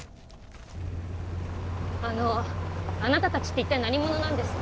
あのあなた達って一体何者なんですか？